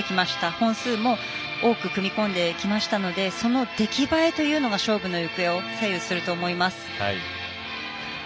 本数も多く組み込んできましたのでその出来栄えというのが勝負の行方を左右すると思います。